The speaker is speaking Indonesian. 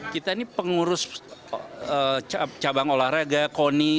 kita ini pengurus cabang olahraga koni